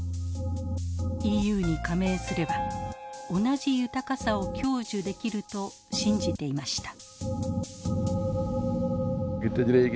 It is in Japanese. ＥＵに加盟すれば同じ豊かさを享受できると信じていました。